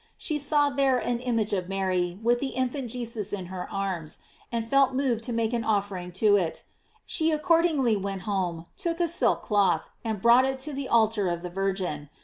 She saw there an image of Mary with the infant Jesus in her arms, and felt moved to make an offering to it. She accord ingly went home, took a silk cloth, and brought it to the altar of the Virgin.